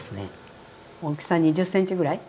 大きさ２０ｃｍぐらい。